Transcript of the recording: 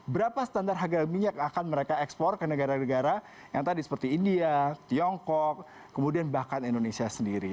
berapa standar harga minyak akan mereka ekspor ke negara negara yang tadi seperti india tiongkok kemudian bahkan indonesia sendiri